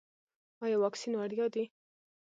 ایا واکسین وړیا دی؟